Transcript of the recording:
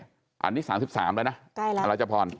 อันนี้๓๓แล้วนะอราชพร